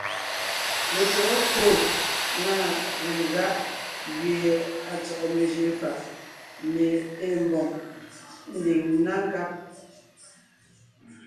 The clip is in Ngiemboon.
Letÿɔgɔ kwò na legáʼ gẅie à tsɔ́ʼɔ mejʉʼʉ fàʼ mie ée mbòŋ, ḿbiŋ ńná nkáb,